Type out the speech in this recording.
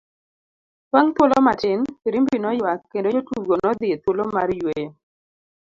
Bang' thuolo matin, firimbi noyuak kendo jotugo nodhi e thuolo mar yueyo.